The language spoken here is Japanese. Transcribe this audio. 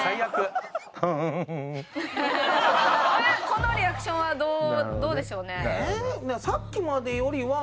このリアクションはどうでしょうね？